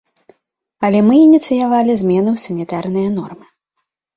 Але мы ініцыявалі змены ў санітарныя нормы.